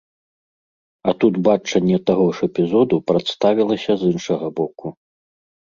А тут бачанне таго ж эпізоду прадставілася з іншага боку.